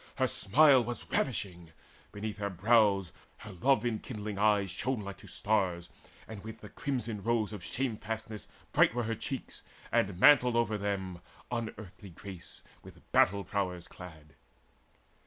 Her smile was ravishing: beneath her brows Her love enkindling eyes shone like to stars, And with the crimson rose of shamefastness Bright were her cheeks, and mantled over them Unearthly grace with battle prowess clad.